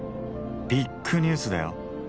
ビッグニュースだよ！